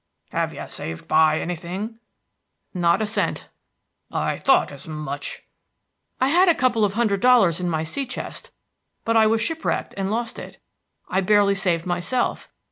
"Have you saved by anything?" "Not a cent." "I thought as much." "I had a couple of hundred dollars in my sea chest; but I was shipwrecked, and lost it. I barely saved myself.